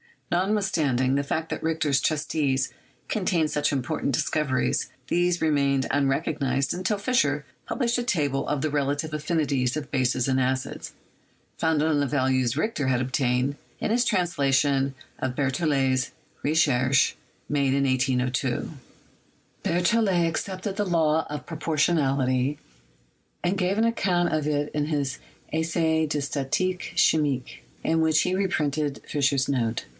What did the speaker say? Notwithstanding the fact that Richter's treatise con tained such important discoveries these remained unrecog nised until Fischer published a table of the relative affini ATOMIC THEORY— WORK OF DAVY 177 ties of bases and acids, founded on the values Richter had obtained, in his translation of Berthollet's "Recher ches," made in 1802. Berthcllet accepted the law of proportionality and gave an account of it in his "Essai de Statique Chimique," in which he reprinted Fischer's note.